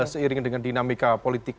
seiring dengan dinamika politik